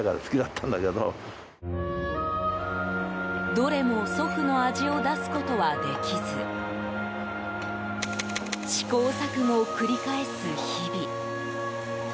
どれも、祖父の味を出すことはできず試行錯誤を繰り返す日々。